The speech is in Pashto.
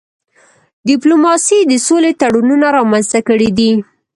ډيپلوماسي د سولې تړونونه رامنځته کړي دي.